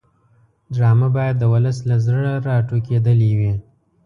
ډرامه باید د ولس له زړه راټوکېدلې وي